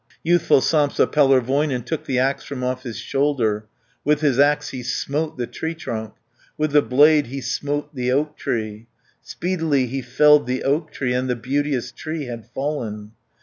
Youthful Sampsa Pellervoinen Took the axe from off his shoulder, 90 With his axe he smote the tree trunk, With the blade he smote the oak tree. Speedily he felled the oak tree, And the beauteous tree had fallen.